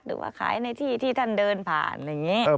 หรือว่าขายในที่ที่ท่านเดินผ่านอะไรอย่างนี้